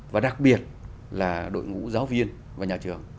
và đặc biệt là đội ngũ giáo viên và nhà trường